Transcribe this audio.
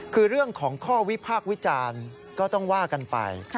คือเรื่องของข้อวิพากษ์วิจารณ์ก็ต้องว่ากันไป